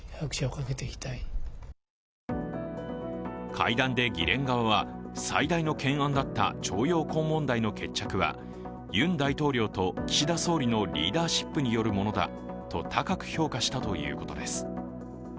会談で議連側は最大の懸案だった徴用工問題の決着はユン大統領と岸田総理のリーダーシップによるものだと高く評価したということです。